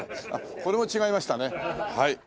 これも違いましたねはい。